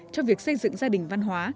trong việc xây dựng gia đình văn hóa